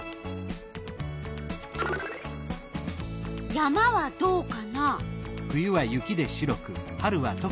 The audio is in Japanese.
山はどうかな？